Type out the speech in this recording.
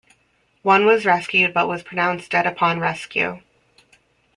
One was rescued but was pronounced dead upon rescue.